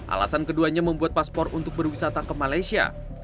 alasan keduanya membuat paspor untuk berwisata ke malaysia